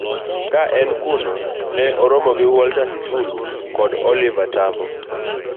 Ka en kuno, ne oromo gi Walter Sisulu kod Oliver Tambo